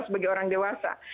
sebagai orang dewasa